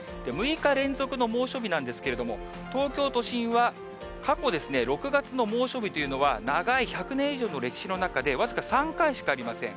６日連続の猛暑日なんですけれども、東京都心は過去、６月の猛暑日というのは、長い１００年以上の歴史の中で僅か３回しかありません。